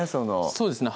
そうですね